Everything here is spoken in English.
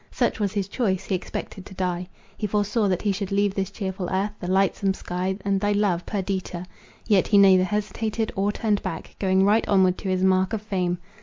Such was his choice: he expected to die. He foresaw that he should leave this cheerful earth, the lightsome sky, and thy love, Perdita; yet he neither hesitated or turned back, going right onward to his mark of fame.